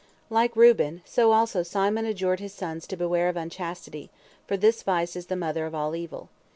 Like Reuben, so also Simon adjured his sons to beware of unchastity, for this vice is the mother of all evil.